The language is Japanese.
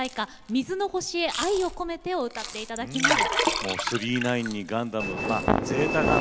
「水の星へ愛をこめて」を歌っていただきます。